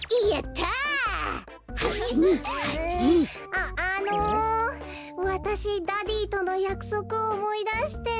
ああのわたしダディーとのやくそくをおもいだして。